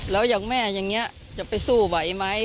แล้วอย่างแม่อย่างนี้จะไปสู้ไหวไหม